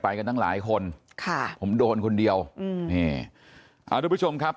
กันตั้งหลายคนค่ะผมโดนคนเดียวอืมนี่อ่าทุกผู้ชมครับ